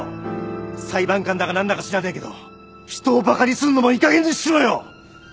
裁判官だか何だか知らねえけど人をバカにすんのもいいかげんにしろよ！